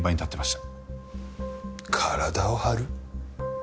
体を張る？